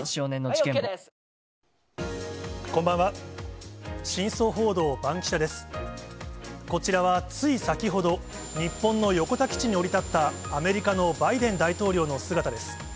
こちらはつい先ほど、日本の横田基地に降り立ったアメリカのバイデン大統領の姿です。